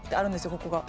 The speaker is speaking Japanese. ここが。